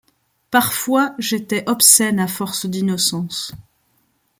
Parfois j'étais obscène à force d'innocence.